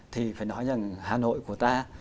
thì phải nói rằng hà nội của ta